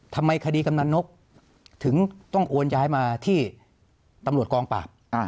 ทำไมคดีกำนันนกถึงต้องโอนย้ายมาที่ตำรวจกองปราบ